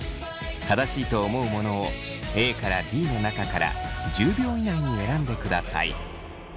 正しいと思うものをＡからＤの中から１０秒以内に選んでください。